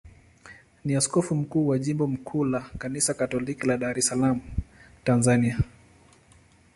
ni askofu mkuu wa jimbo kuu la Kanisa Katoliki la Dar es Salaam, Tanzania.